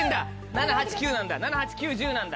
７８９なんだ７８９１０なんだ。